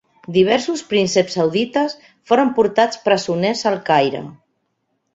Diversos prínceps saudites foren portats presoners al Caire.